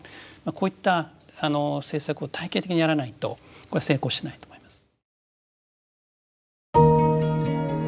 こういった政策を体系的にやらないとこれ成功しないと思います。